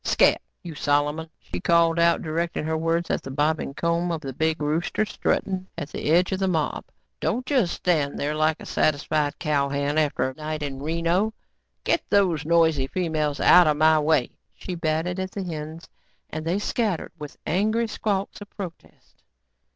"Scat. You, Solomon," she called out, directing her words at the bobbing comb of the big rooster strutting at the edge of the mob. "Don't just stand there like a satisfied cowhand after a night in Reno. Get these noisy females outta my way." She batted at the hens and they scattered with angry squawks of protest.